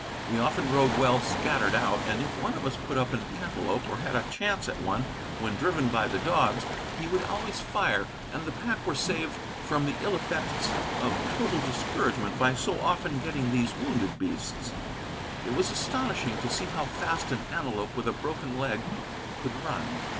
We often rode well scattered out, and if one of us put up an antelope, or had a chance at one when driven by the dogs, he would always fire, and the pack were saved from the ill effects of total discouragement by so often getting these wounded beasts. It was astonishing to see how fast an antelope with a broken leg could run.